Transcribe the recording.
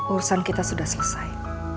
urusan kita sudah selesai